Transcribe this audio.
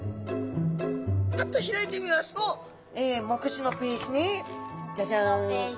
パッと開いてみますと目次のページにジャジャン。